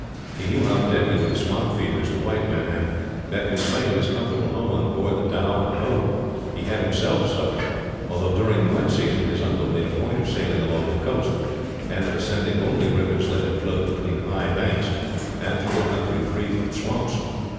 He knew how deadly were the swamp fevers to white men; and that in spite of his comfortable home on board the dhow and boat, he had himself suffered although, during the wet season, his uncle made a point of sailing along the coast, and of ascending only rivers that flowed between high banks and through a country free from swamps.